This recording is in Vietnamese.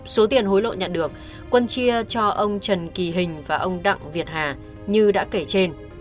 số tiền hối lộ nhận được quân chia cho ông trần kỳ hình và ông đặng việt hà như đã kể trên